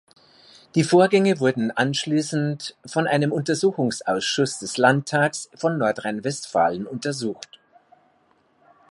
Die Vorgänge wurden anschließend von einem Untersuchungsausschuss des Landtags von Nordrhein-Westfalen untersucht.